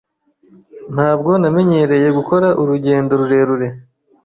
Ntabwo namenyereye gukora urugendo rurerure.